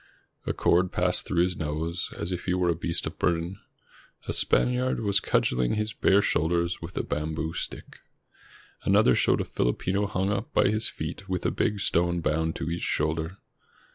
A cord passed through his nose, as if he were a beast of burden. A Spaniard was cudgeling his bare shoulders with a bamboo stick. Another showed a Filipino hung up by his feet with a big stone bound to each shoulder.